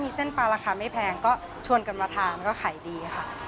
มีเส้นปลาราคาไม่แพงก็ชวนกันมาทานก็ขายดีค่ะ